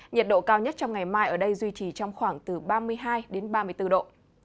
nhiệt độ cao nhất trong ngày mai ở đây duy trì trong khoảng từ ba mươi hai đến ba mươi bốn độ